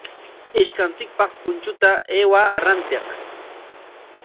Ishkanchikpaq punchuta aywaa rantiq.